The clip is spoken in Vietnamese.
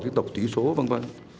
như tộc tỷ số v v